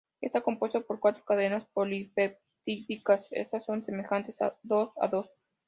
Está compuesto por cuatro cadenas polipeptídicas, estas son semejantes dos a dos.